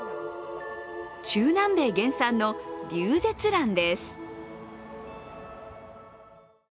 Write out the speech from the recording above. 中南米原産のリュウゼツランです。